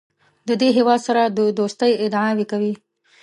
د دې هېواد سره د دوستۍ ادعاوې کوي.